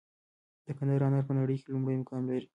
د کندهار انار په نړۍ کې لومړی مقام لري.